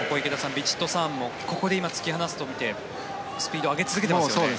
ヴィチットサーンもここで突き放すとみてスピードを上げ続けていますよね。